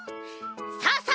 さあさあ